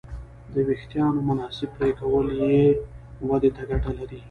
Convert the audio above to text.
د وېښتیانو مناسب پرېکول یې ودې ته ګټه لري.